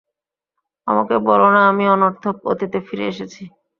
আমাকে বলো না আমি অনর্থক অতীতে ফিরে এসেছি।